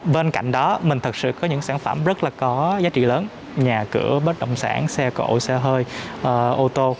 bên cạnh đó mình thực sự có những sản phẩm rất là có giá trị lớn nhà cửa bếp đồng sản xe cộ xe hơi ô tô